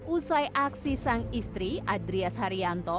usai aksi sang istri adrias haryanto